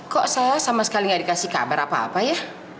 kok saya sama sekali gak dikasih kabar apa apa ya